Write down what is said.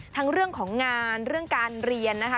ทั้งเรื่องของงานเรื่องการเรียนนะคะ